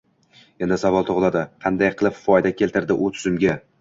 Endi savol tug‘iladi, qanday qilib foyda keltirdi u tuzumga?